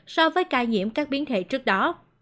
so với ca nhiễm các biến thể trước đó